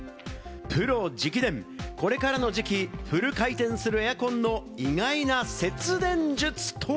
プロ直伝、これからの時期、フル回転するエアコンの意外な節電術とは？